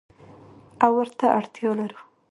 او ورته اړتیا لرو.